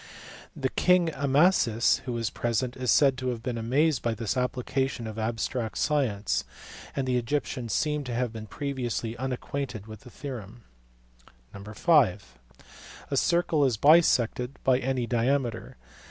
The king Amasis, who was present, is said to have been amazed at this application of abstract science, and the Egyptians seem to have been previously unac quainted with the theorem. (v) A circle is bisected by any diameter.